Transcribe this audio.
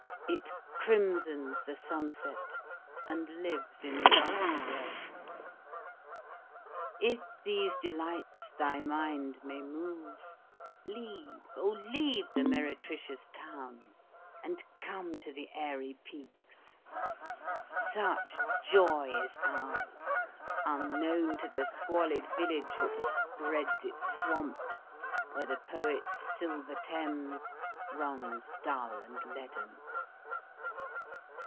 It crimsons the sunset and lives in the afterglow. If these delights thy mind may move, leave, oh, leave the meretricious town, and come to the airy peaks. Such joy is ours, unknown to the squalid village which spreads its swamps where the poet's silver Thames runs dull and leaden.